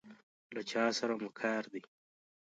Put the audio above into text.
له چا سره مو کار دی؟